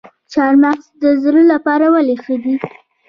چهارمغز د زړه لپاره ولې ښه دي؟